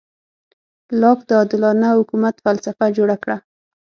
لاک د عادلانه حکومت فلسفه جوړه کړه.